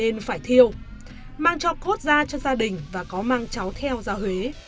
vì covid một mươi chín nên phải thiêu mang cho cốt ra cho gia đình và có mang cháu theo ra huế